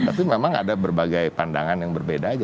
tapi memang ada berbagai pandangan yang berbeda aja